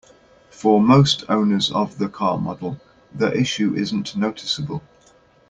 For most owners of the car model, the issue isn't noticeable.